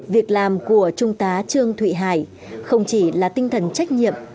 việc làm của trung tá trương thụy hải không chỉ là tinh thần trách nhiệm